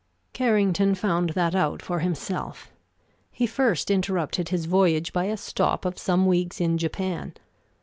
Carrington found that out for himself. He first interrupted his voyage by a stop of some weeks in Japan.